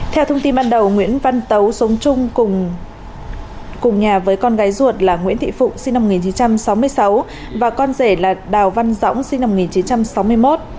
theo thông tin ban đầu nguyễn văn tấu sống chung cùng nhà với con gái ruột là nguyễn thị phụng sinh năm một nghìn chín trăm sáu mươi sáu và con rể là đào văn dõng sinh năm một nghìn chín trăm sáu mươi một